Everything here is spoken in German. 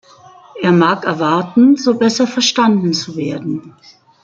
Er mag erwarten, so besser verstanden zu werden.